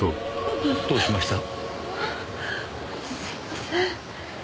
ああすいません。